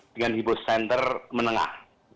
dengan nipu sender menengah